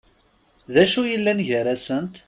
D acu yellan gar-asent?